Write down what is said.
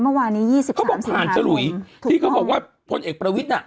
เขาบอกผ่านสรุยที่เขาบอกว่าพลเอกประวิทย์อ่ะ